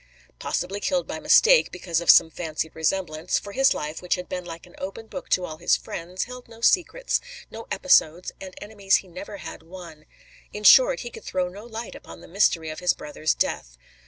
Possibly killed by mistake, because of some fancied resemblance; for his life, which had been like an open book to all his friends, held no secrets, no "episodes," and enemies he never had one. In short, he could throw no light upon the mystery of his brother's death.